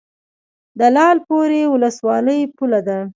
د لعل پورې ولسوالۍ پوله ده